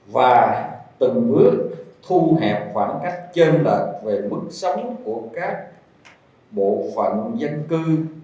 và từng bước thu hẹp khoảng cách chân lợi về mức sống của các bộ phận dân cư